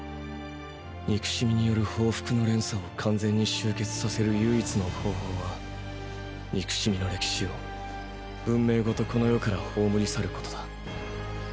憎しみによる報復の連鎖を完全に終結させる唯一の方法は憎しみの歴史を文明ごとこの世から葬り去ることだ。